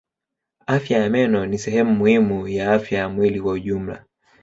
Afya ya meno ni sehemu muhimu ya afya ya mwili kwa jumla.